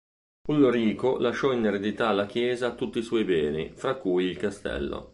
Ulrico lasciò in eredità alla Chiesa tutti i suo beni, fra cui il Castello.